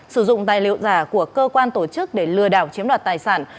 sử dụng tài liệu giả của cơ quan tổ chức để lừa đảo chiếm đoạt tài sản